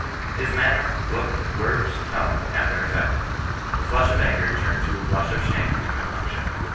His manner, look, words, tone, had their effect. The flush of anger turned to a blush of shame and compunction.